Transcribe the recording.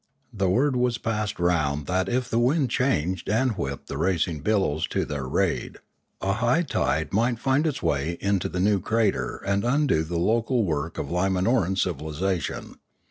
The word was passed round that, if the wind changed and whipped the racing billows to their raid, a high tide might find its way into the new A Warning 643 crater and undo the local work of Limanoran civilisa tion.